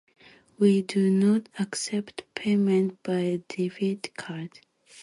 We do not accept payments by debit card.